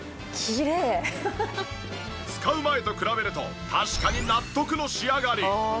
使う前と比べると確かに納得の仕上がり。